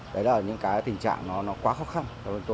đấy là những cái tình trạng nó quá khó khăn